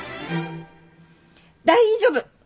大丈夫！